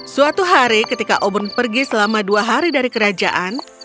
suatu hari ketika oben pergi selama dua hari dari kerajaan